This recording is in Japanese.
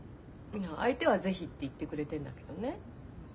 相手は是非って言ってくれてるんだけどね。